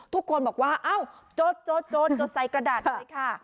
ทุกคนบอกว่าเอ้าจดใส่กระดาษเลยค่ะ